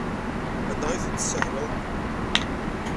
Anda ay tent-tessahleḍ?